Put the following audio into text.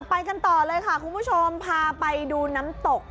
ไปกันต่อเลยค่ะคุณผู้ชมพาไปดูน้ำตก